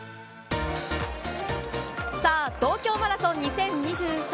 さあ、東京マラソン２０２３